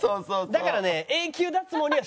だからね。